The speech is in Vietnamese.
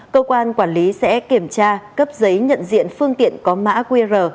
cơ quan quản lý sẽ kiểm tra cấp giấy nhận diện phương tiện có mã qr